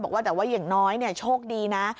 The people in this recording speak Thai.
บอกว่าแต่ว่าอย่างน้อยโชคดีนะ